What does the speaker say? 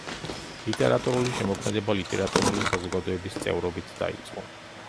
ლიტერატურული შემოქმედება ლიტერატურული საზოგადოების წევრობით დაიწყო.